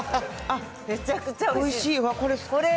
おいしいわ、これ。